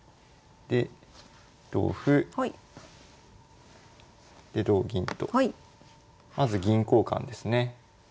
で同歩で同銀とまず銀交換ですね。